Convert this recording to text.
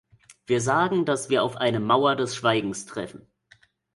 Wir sagen, dass wir auf eine Mauer des Schweigens treffen.